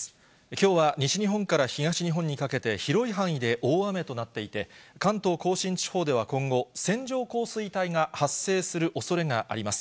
きょうは西日本から東日本にかけて、広い範囲で大雨となっていて、関東甲信地方では今後、線状降水帯が発生するおそれがあります。